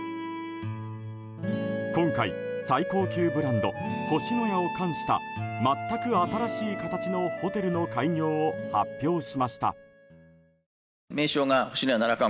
今回、最高級ブランド星のやを冠した全く新しい形のホテルの開業を発表しました。